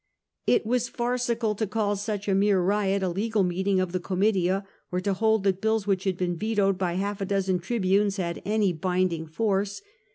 It was farcical to call such a mere riot a legal meeting of the Gomitia, or to hold that bills which had been vetoed by half a dozen tribunes had any binding force.